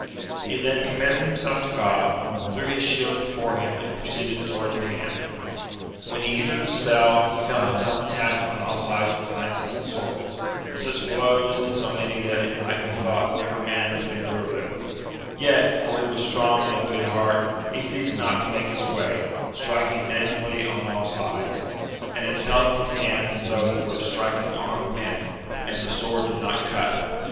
He then commended himself to God, threw his shield before him, and proceeded sword in hand. When he entered the spell, he felt himself attacked on all sides with lances and swords, such blows and so many that it might be thought never man could endure them ; yet, for he was strong and of good heart, he ceased not to make his way, striking manfully on all sides, and it felt in his hand as though he were striking armed men, and the sword did not cut.